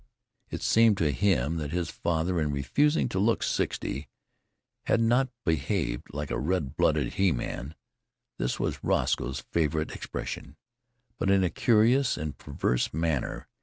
It seemed to him that his father, in refusing to look sixty, had not behaved like a "red blooded he man" this was Roscoe's favourite expression but in a curious and perverse manner.